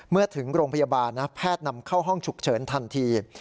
เมื่อถึงโรงพยาบาลนะแพทย์นำเข้าห้องฉุกเฉินทันที